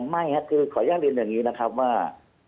ไม่ครับคือขออนุญาตเรียนอย่างนี้นะครับว่า